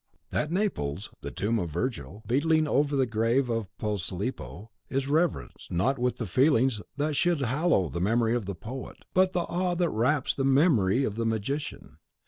At Naples, the tomb of Virgil, beetling over the cave of Posilipo, is reverenced, not with the feelings that should hallow the memory of the poet, but the awe that wraps the memory of the magician.